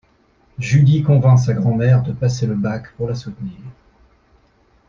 Julie convainc sa grand-mère de passer le bac pour la soutenir...